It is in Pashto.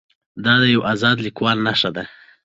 دا د یو ازاد لیکوال نښه ده.